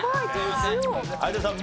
有田さん